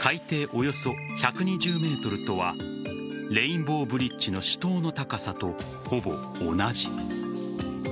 およそ１２０ｍとはレインボーブリッジの主塔の高さとほぼ同じ。